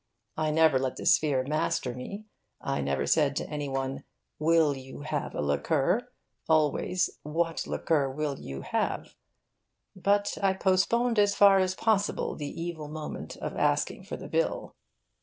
I never let this fear master me. I never said to any one 'Will you have a liqueur?' always 'What liqueur will you have?' But I postponed as far as possible the evil moment of asking for the bill.